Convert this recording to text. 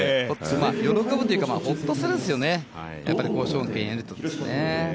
喜ぶというか、ホッとするんですよね、交渉権獲得すると。